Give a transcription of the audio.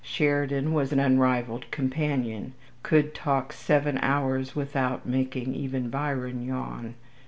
Sheridan was an unrivalled companion, could talk seven hours without making even Byron yawn.